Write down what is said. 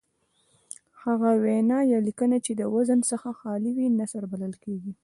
هغه وینا یا لیکنه چې له وزن څخه خالي وي نثر بلل کیږي.